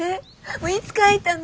いつ書いたの？